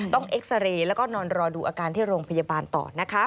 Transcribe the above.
เอ็กซาเรย์แล้วก็นอนรอดูอาการที่โรงพยาบาลต่อนะคะ